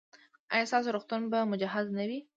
ایا ستاسو روغتون به مجهز نه وي؟